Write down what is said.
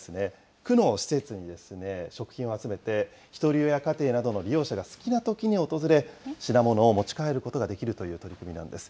区の施設に食品を集めて、ひとり親家庭などの利用者が好きなときに訪れ、品物を持ち帰ることができるという取り組みなんです。